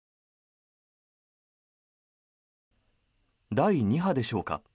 第２波でしょうか。